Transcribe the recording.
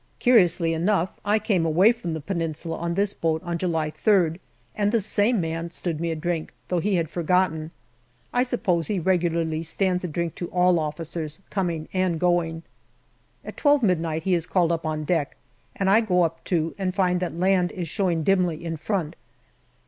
Curiously enough, I came away from the Peninsula on this boat on July 3rd, and the same man stood me a drink, though he had forgotten. I suppose he regularly stands a drink to all officers coming and going. At twelve midnight he is called up on deck, and I go too and find that land is showing dimly in front.